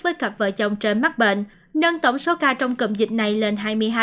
với cặp vợ chồng trên mắt bệnh nâng tổng số ca trong cụm dịch này lên hai mươi hai